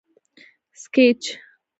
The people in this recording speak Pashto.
سکیچ